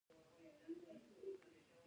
چېرته څه خواري مزدوري وکړه.